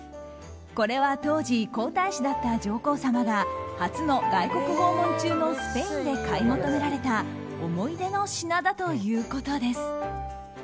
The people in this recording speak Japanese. これは当時、皇太子だった上皇さまが初の外国訪問中のスペインで買い求められた思い出の品だということです。